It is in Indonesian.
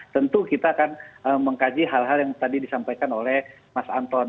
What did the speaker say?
tentu kita akan mengkaji hal hal yang tadi disampaikan oleh mas anton